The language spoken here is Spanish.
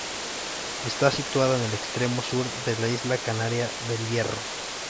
Está situada en el extremo sur de la isla canaria de El Hierro.